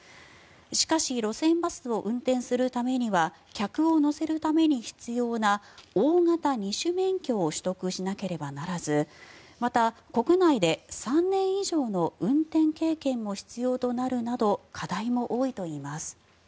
しかし路線バスを運転するためには客を乗せるために必要な大型二種免許を取得しなければならずまた、国内で３年以上の運転経験も必要となるなど課題も多いといいます。